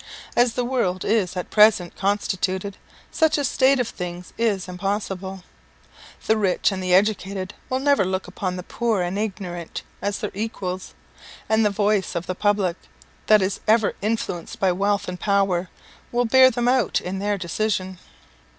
As the world is at present constituted, such a state of things is impossible. The rich and the educated will never look upon the poor and ignorant as their equals; and the voice of the public, that is ever influenced by wealth and power, will bear them out in their decision.